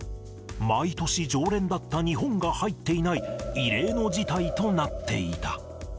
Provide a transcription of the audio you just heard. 毎年常連だった日本が入っていない、異例の事態となっていた。